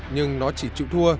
nhưng nó chỉ chịu thua